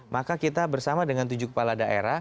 maka kita bersama dengan tujuh kepala daerah